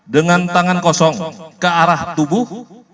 dengan tangan kosong ke arah tubuh